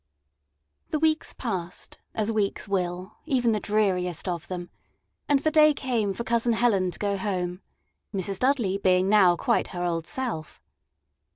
The weeks passed, as weeks will even the dreariest of them and the day came for Cousin Helen to go home, Mrs. Dudley being now quite her old self.